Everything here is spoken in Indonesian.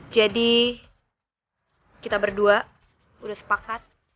jadi kita berdua udah sepakat